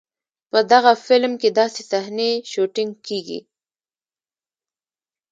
په دغه فلم کې داسې صحنې شوټېنګ کېږي.